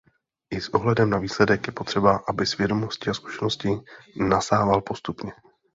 I s ohledem na výsledek je potřeba, abys vědomosti a zkušenosti nasával postupně.